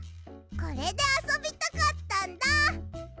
これであそびたかったんだ！